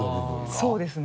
そうですね。